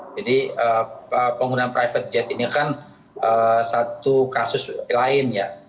jadi penggunaan private jet ini kan satu kasus lain ya